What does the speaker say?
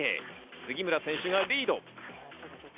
杉村選手がリード。